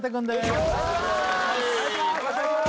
よろしくお願いします